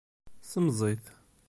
Ssemẓi-t.